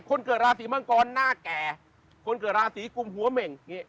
คนเกิดราศีมังกรหน้าแก่คนเกิดราศีกุมหัวเหม่ง